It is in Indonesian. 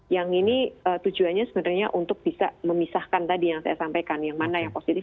yang ini tujuannya sebenarnya untuk bisa memisahkan tadi yang saya sampaikan yang mana yang positif